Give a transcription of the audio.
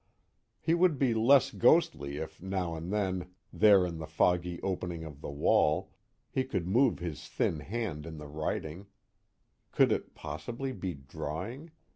_" He would be less ghostly if now and then, there in the foggy opening of the wall, he could move his thin hand in the writing could it possibly be drawing?